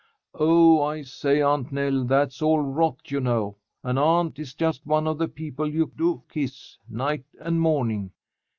"Oh, I say, Aunt Nell, that's all rot, you know. An aunt is just one of the people you do kiss, night and morning."